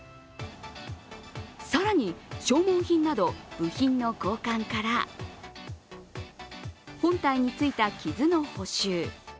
更に消耗品など部品の交換から、本体についた傷の補修。